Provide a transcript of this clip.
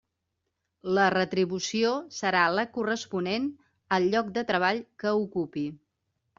La retribució serà la corresponent al lloc de treball que ocupi.